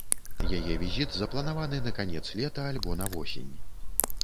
Яе візіт запланаваны на канец лета альбо на восень.